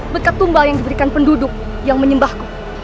bekat tumbal yang diberikan penduduk yang menyembahku